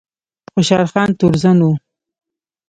خوشحال خان تورزن و